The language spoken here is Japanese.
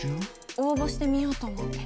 応募してみようと思って。